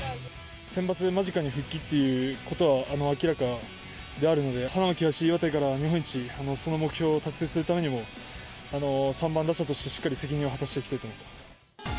センバツ間近で復帰ということは明らかであるので、花巻東、岩手から日本一を、その目標を達成するためにも３番打者として、しっかり責任を果たしていきたいと思っています。